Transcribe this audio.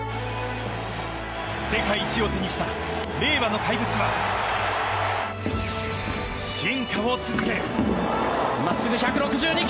世界一を手にした令和の怪物は進化を続ける。